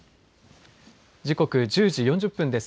時刻１０時４０分です。